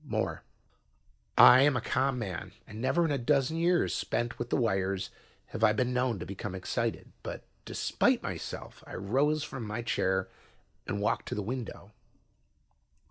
(more)" I am a calm man and never in a dozen years spent with the wires, have I been known to become excited, but despite myself I rose from my chair and walked to the window.